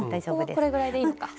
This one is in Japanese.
ここはこれぐらいでいいのか。